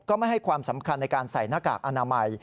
ไม่ให้ความสำคัญในการใส่หน้ากากอนามัย